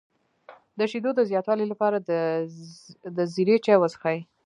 د شیدو د زیاتوالي لپاره د زیرې چای وڅښئ